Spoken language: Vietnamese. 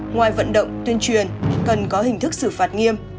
ngoài vận động tuyên truyền cần có hình thức xử phạt nghiêm